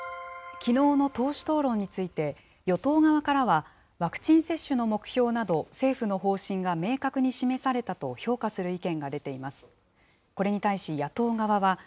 きのうの党首討論について、与党側からは、ワクチン接種の目標など、政府の方針が明確に示されたと評価する意見が出ています。